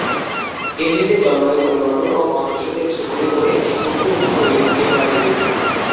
এমনিতেই জলবায়ু পরিবর্তন ও বনদস্যুদের ছোবলে পড়ে হুমকির মুখে রয়েছে টেংরাগিরি।